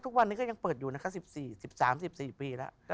ทุกวันนี้ก็ยังเปิดอยู่นะคะสิบสี่สิบสามสิบสี่ปีแล้ว